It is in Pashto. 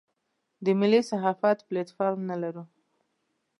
د ملي صحافت پلیټ فارم نه لرو.